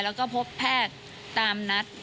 แล้วก็พบแพทย์ตามนัด